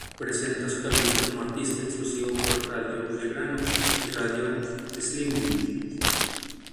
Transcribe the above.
Presenta su talento como artista exclusivo por Radio Belgrano y Radio Splendid.